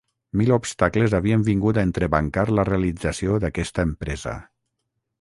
Mil obstacles havien vingut a entrebancar la realització d'aquesta empresa.